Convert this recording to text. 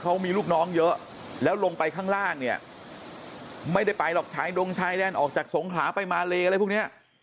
เขามีลูกน้องเยอะแล้วลงไปข้างล่างเนี่ยไม่ได้ไปหรอกชายดงชายแดนออกจากสงขลาไปมาเลอะไรพวกเนี้ย